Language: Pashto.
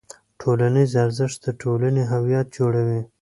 ټولنیز ارزښت د ټولنې هویت جوړوي.